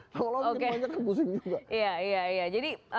kalau gitu banyak pusing juga